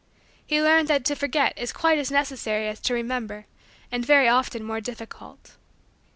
He learned that to forget is quite as necessary as to remember and very often much more difficult.